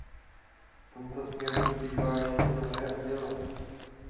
V tomto směru zbývá ještě mnohé udělat.